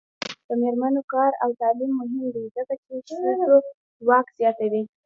د میرمنو کار او تعلیم مهم دی ځکه چې ښځو واک زیاتوي.